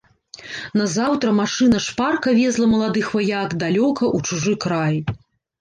Назаўтра машына шпарка везла маладых ваяк далёка ў чужы край.